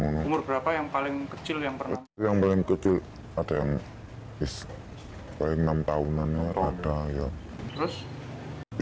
yang kecil yang pernah yang paling kecil ada yang iskandar enam tahun mana ada ya terus itu ya